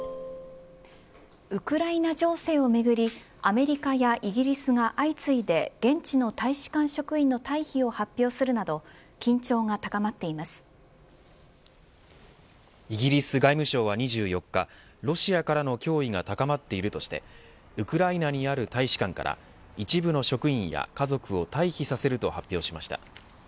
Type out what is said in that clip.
ウクライナ情勢をめぐりアメリカやイギリスが相次いで現地の大使館職員の退避を発表するなどイギリス外務省は２４日ロシアからの脅威が高まっているとしてウクライナにある大使館から一部の職員や家族を退避させると発表しました。